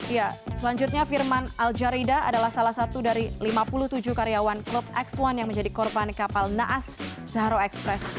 ya selanjutnya firman al jarida adalah salah satu dari lima puluh tujuh karyawan klub x satu yang menjadi korban kapal naas zahro express